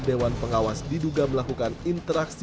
dewan pengawas diduga melakukan interaksi